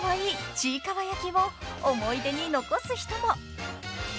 ちいかわ焼きを思い出に残す人も］